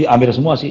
ambil semua sih